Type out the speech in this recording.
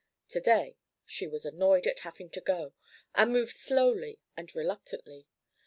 To day she was annoyed at having to go, and moved slowly and reluctantly.